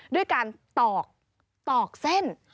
ด้วยการตอกตอกเส้น